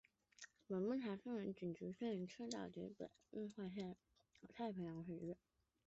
本条目的范围仅局限于赤道以北及国际换日线以西的太平洋水域。